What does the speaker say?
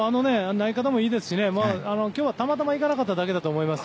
投げ方もいいですし今日はたまたまいかなかっただけだと思います。